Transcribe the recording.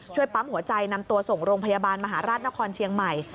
ปั๊มหัวใจนำตัวส่งโรงพยาบาลมหาราชนครเชียงใหม่